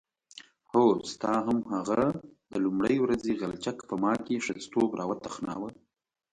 هو ستا هماغه د لومړۍ ورځې غلچک په ما کې ښځتوب راوتخناوه.